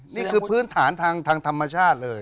นี่คือพื้นฐานทางธรรมชาติเลย